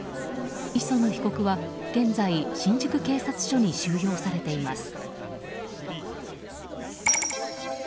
磯野被告は現在新宿警察署に収容されています。